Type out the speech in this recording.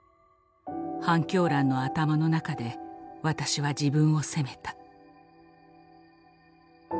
半狂乱の頭の中で私は自分を責めた。